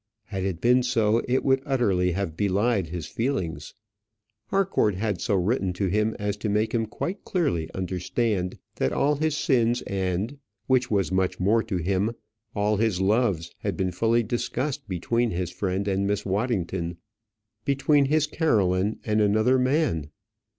Had it been so, it would utterly have belied his feelings. Harcourt had so written to him as to make him quite clearly understand that all his sins and which was much more to him all his loves had been fully discussed between his friend and Miss Waddington between his Caroline and another man.